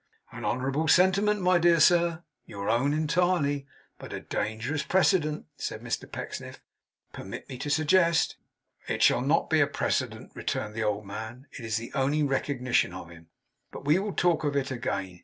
'An honourable sentiment, my dear sir. Your own entirely. But a dangerous precedent,' said Mr Pecksniff, 'permit me to suggest.' 'It shall not be a precedent,' returned the old man. 'It is the only recognition of him. But we will talk of it again.